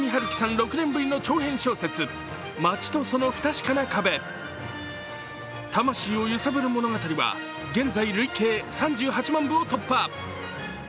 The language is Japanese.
６年ぶりの長編小説、「街とその不確かな壁」魂を揺さぶる物語は現在累計３８万部を突破。